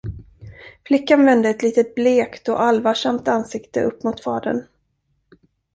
Flickan vände ett litet blekt och allvarsamt ansikte upp mot fadern.